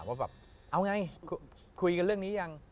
ว่าแบบเอาไงคุยกันเรื่องนี้ยัง